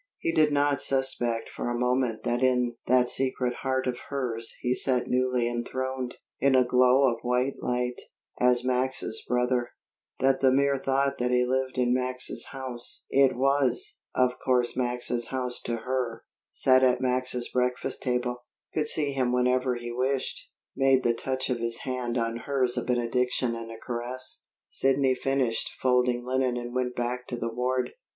He did not suspect for a moment that in that secret heart of hers he sat newly enthroned, in a glow of white light, as Max's brother; that the mere thought that he lived in Max's house (it was, of course Max's house to her), sat at Max's breakfast table, could see him whenever he wished, made the touch of his hand on hers a benediction and a caress. Sidney finished folding linen and went back to the ward.